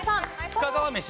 深川めし。